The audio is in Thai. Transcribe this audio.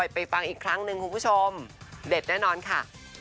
ไปฟังอีกครั้งหนึ่งคุณผู้ชมเด็ดแน่นอนค่ะ